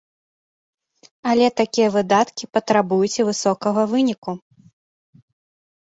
Але такія выдаткі патрабуюць і высокага выніку.